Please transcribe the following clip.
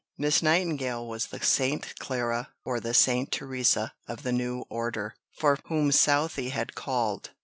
Miss Nightingale was the St. Clara or the St. Teresa of the new order, for whom Southey had called.